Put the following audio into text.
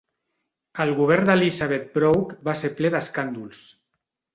El govern d'Elizabeth Broke va ser ple d'escàndols.